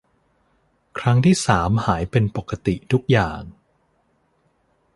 ครั้งที่สามหายเป็นปกติทุกอย่าง